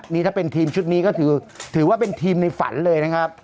นี่ถ้าเป็นทีมชุดนี้ก็ถือว่าเป็นทีมในฝันเลยนะครับ